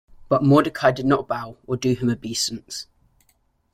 But Mordecai did not bow, or do him obeisance.